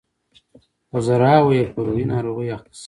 په زرهاوو یې په روحي ناروغیو اخته شوي.